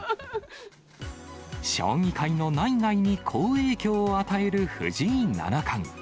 将棋界の内外に好影響を与える藤井七冠。